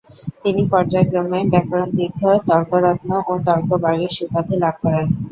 তিনি পর্যায়ক্রমে ‘‘ব্যাকরণতীর্থ’’, ‘‘তর্করত্ন’’ ও ‘‘তর্কবাগীশ’’ উপাধী লাভ করেন।